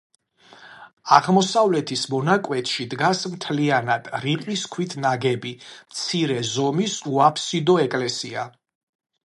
აღმოსავლეთის მონაკვეთში დგას მთლიანად რიყის ქვით ნაგები მცირე ზომის უაფსიდო ეკლესია.